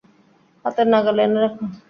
হাতের নাগালে এনে রাখ।